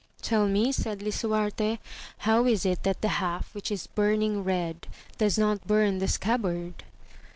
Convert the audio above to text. Tell me, said Lisuarte, how is it that the half which is burning red, does not bum the scabbard